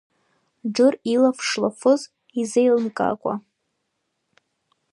Џыр илаф шлафыз изеилымкаакәа.